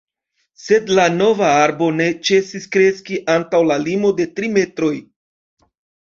Sed la nova arbo ne ĉesis kreski antaŭ la limo de tri metroj.